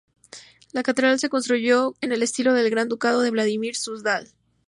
La catedral se construyó en el estilo del Gran Ducado de Vladímir-Súzdal.